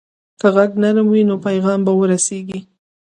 که غږ نرم وي، نو پیغام به ورسیږي.